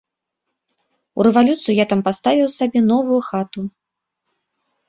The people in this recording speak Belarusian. У рэвалюцыю я там паставіў сабе новую хату.